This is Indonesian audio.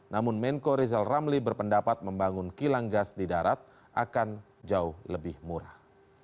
namun menko rizal ramli berpendapat membangun kilang gas di darat akan jauh lebih murah